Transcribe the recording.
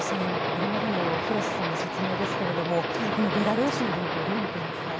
これまでの廣瀬さんの説明ですがこのベラルーシの動向をどう見ていますか？